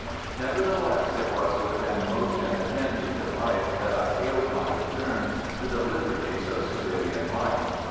Nevertheless it was with an emotion akin to delight that I hailed my return to the liberties of civilian life.